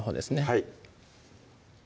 はい